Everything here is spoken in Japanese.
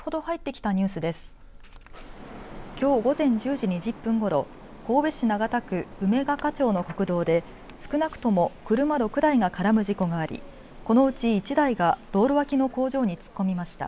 きょう午前１０時２０分ごろ神戸市長田区梅ヶ香町の国道で少なくとも車６台が絡む事故がありこのうち１台が道路脇の工場に突っ込みました。